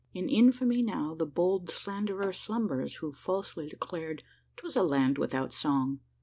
In infamy now the bold slanderer slumbers, Who falsely declared 'twas a land without song!